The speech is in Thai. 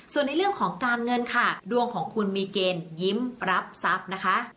ส่วนในเรื่องของการเงินค่ะดวงของคุณมีเกณฑ์ยิ้มรับทรัพย์นะคะ